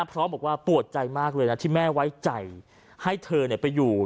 พร้อมบอกว่าปวดใจมากเลยนะที่แม่ไว้ใจให้เธอไปอยู่